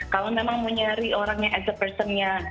kalau memang mau nyari orangnya as a personnya